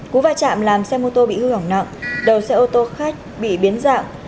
cú va chạm làm xe mô tô bị hư hỏng nặng đầu xe ô tô khách bị biến dạng